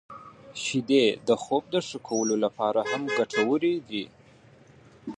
• شیدې د خوب د ښه کولو لپاره هم ګټورې دي.